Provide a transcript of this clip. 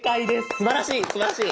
すばらしいすばらしい。